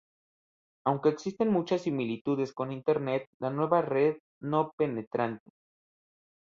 Aunque existen muchas similitudes con Internet, la nueva red no penetrante.